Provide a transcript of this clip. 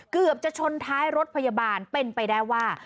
เกือบจะชนท้ายรถพยาบาลเป็นไปได้ว่า